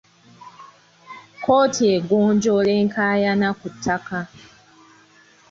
Kkooti egonjoola enkaayana ku ttaka.